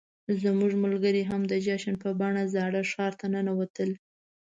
زموږ ملګري هم د جشن په بڼه زاړه ښار ته ننوتل.